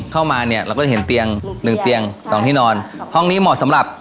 เข้ามาเนี่ยเราก็จะเห็นเตียงหนึ่งเตียงสองที่นอนห้องนี้เหมาะสำหรับ